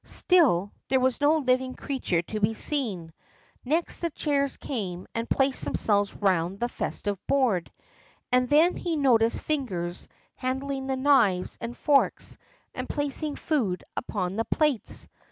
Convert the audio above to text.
Still there was no living creature to be seen. Next the chairs came and placed themselves round the festive board, and then he noticed fingers handling the knives and forks and placing food upon the plates.